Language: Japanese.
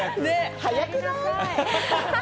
早くない？